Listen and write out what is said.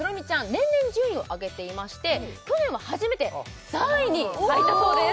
年々順位を上げていまして去年は初めて３位に入ったそうです